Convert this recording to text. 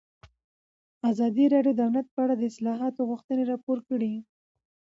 ازادي راډیو د امنیت په اړه د اصلاحاتو غوښتنې راپور کړې.